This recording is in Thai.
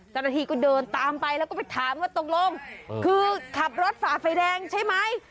เจ้าหน้าที่ก็เดินตามไปแล้วก็ไปถามว่าตกลงคือขับรถฝ่าไฟแดงใช่ไหม